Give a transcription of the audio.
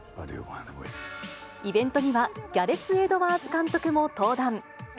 イベントには、ギャレス・エドワーズ監督も登壇。